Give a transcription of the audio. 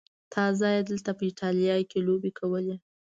تازه یې دلته په ایټالیا کې لوبې کولې.